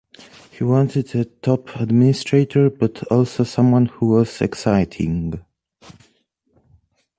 He wanted a top administrator, but also someone who was exciting.